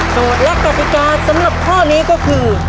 สูตรและกราธิกาสำหรับข้อนี้ก็คือ